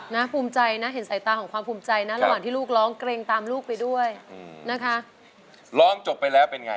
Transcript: ภูมิใจนะเห็นสายตาของความภูมิใจนะระหว่างที่ลูกร้องเกรงตามลูกไปด้วยนะคะร้องจบไปแล้วเป็นไง